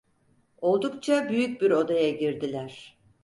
Oldukça büyük bir odaya girdiler.